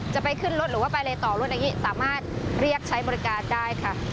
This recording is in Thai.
ไปขึ้นรถหรือว่าไปอะไรต่อรถอย่างนี้สามารถเรียกใช้บริการได้ค่ะ